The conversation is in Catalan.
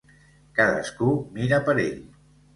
Cadascú mira per ell.